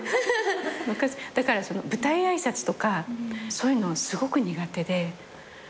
だから舞台挨拶とかそういうのすごく苦手で。